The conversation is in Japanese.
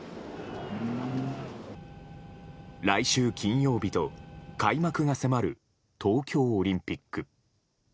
来週金曜日と開幕が迫る東京オリンピック。